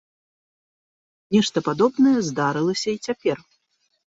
Нешта падобнае здарылася і цяпер.